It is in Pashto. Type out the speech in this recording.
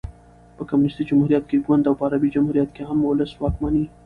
په کمونيسټي جمهوریت کښي ګوند او په عربي جمهوریت کښي عام اولس واکمن يي.